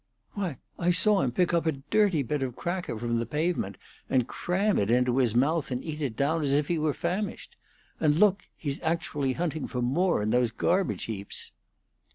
"Why, I saw him pick up a dirty bit of cracker from the pavement and cram it into his mouth and eat it down as if he were famished. And look! he's actually hunting for more in those garbage heaps!"